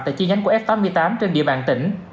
tại chi nhánh của f tám mươi tám trên địa bàn tỉnh